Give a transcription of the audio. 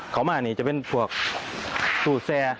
คอมมานี่จะเป็นจุดแทรก